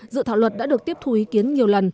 dự thảo luật đã được tiếp thu ý kiến nhiều lần